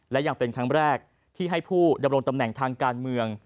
และยังเป็นครั้งแรกที่ให้ผู้ดำรงตำแหน่งทางการเมือง